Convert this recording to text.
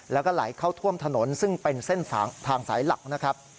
แล้วก็ไหลเข้าท่วมถนนซึ่งเป็นเส้นทางสายหลักนะครับ